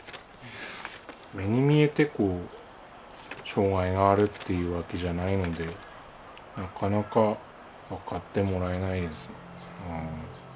目に見えて障害があるっていうわけじゃないのでなかなか分かってもらえないです。